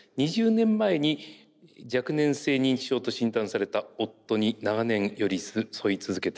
２０年前に若年性認知症と診断された夫に長年寄り添い続けていらっしゃいます。